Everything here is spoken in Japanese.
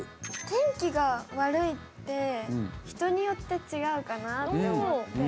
天気が悪いって人によって違うかなと思って。